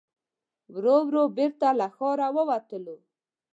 ورو ورو بېرته له ښاره ووتلو.